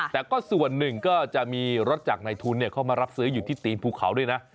แต่ก็ส่วนหนึ่งก็จะมีรถจากในทุนเข้ามารับซื้ออยู่ที่ตีนภูเขาด้วยนะ